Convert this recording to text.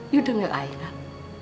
you denger ai gak